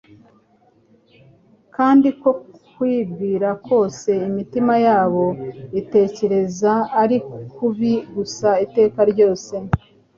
kandi ko kwibwira kose imitima yabo itekereza ari kubi gusa iteka ryose.'"